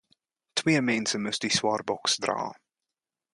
Twee mense moes die swaar boks dra.